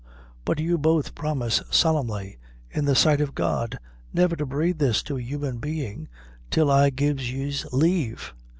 "But you both promise solemnly, in the sight of God, never to breathe this to a human being till I give yez lave."